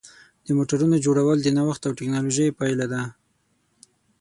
د موټرونو جوړول د نوښت او ټېکنالوژۍ پایله ده.